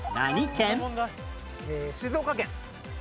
静岡県。